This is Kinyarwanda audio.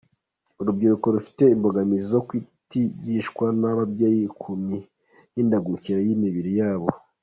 Urubyiruko rufite imbogamizi zo kutigishwa n’ababyeyi ku mihindagurikire y’imibiri yabo.